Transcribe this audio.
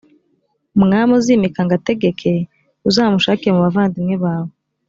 umwami uzimika ngo agutegeke, uzamushake mu bavandimwe bawe;